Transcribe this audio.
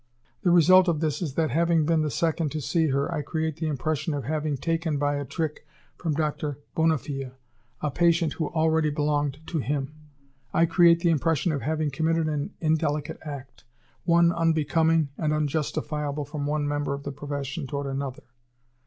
"The result of this is that, having been the second to see her I create the impression of having taken by a trick from Doctor Bonnefille a patient who already belonged to him I create the impression of having committed an indelicate act, one unbecoming and unjustifiable from one member of the profession toward another.